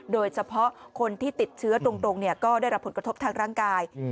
โดยเฉพาะคนที่ติดเชื้อตรงก็ได้รับผลกระทบทางร่างกาย